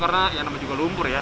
karena ya namanya juga lumpur ya